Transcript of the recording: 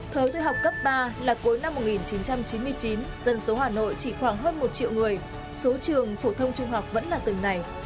thời học cấp ba là cuối năm một nghìn chín trăm chín mươi chín dân số hà nội chỉ khoảng hơn một triệu người số trường phổ thông trung học vẫn là từng này